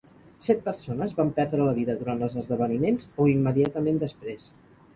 Set persones van perdre la vida durant els esdeveniments o immediatament després.